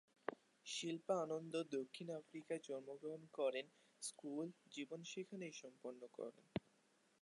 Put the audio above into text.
শিল্পা আনন্দ দক্ষিণ আফ্রিকায় জন্মগ্রহণ করেন, স্কুল জীবন সেখানেই সম্পন্ন করেন।